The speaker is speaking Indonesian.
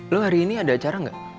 lo hari ini ada acara nggak